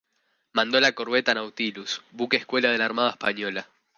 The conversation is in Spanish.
Mandó la Corbeta Nautilus, buque escuela de la Armada Española.